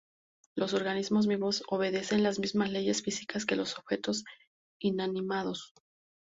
Los organismos vivos obedecen las mismas leyes físicas que los objetos inanimados.